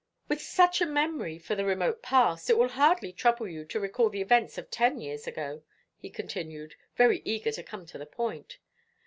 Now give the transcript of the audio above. "With such a memory for the remote past, it will hardly trouble you to recall the events of ten years ago," he continued, very eager to come to the point.